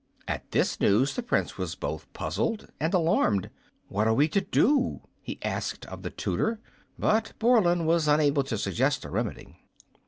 At this news the Prince was both puzzled and alarmed. "What are we to do?" he asked of the tutor; but Borland was unable to suggest a remedy.